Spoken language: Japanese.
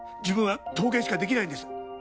自分は陶芸しかできないんです。